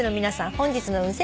本日の運勢